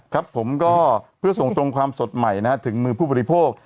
ครับผมก็เพื่อส่งตรงความสดใหม่ถึงมือผู้บริโภค